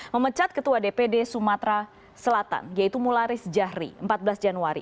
memecat ketua dpd sumatera selatan yaitu mularis jahri empat belas januari